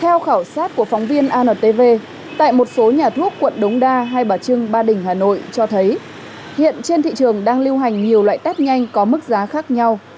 theo khảo sát của phóng viên antv tại một số nhà thuốc quận đống đa hai bà trưng ba đình hà nội cho thấy hiện trên thị trường đang lưu hành nhiều loại test nhanh có mức giá khác nhau